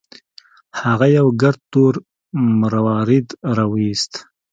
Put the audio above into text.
هغه یو ګرد تور مروارید راوویست.